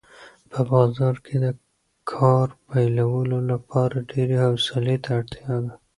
په بازار کې د کار پیلولو لپاره ډېرې حوصلې ته اړتیا ده.